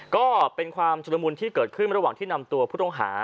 ก็เป็นความชุดละมุนที่เกิดขึ้นระหว่างที่นำตัวผู้ต้องหา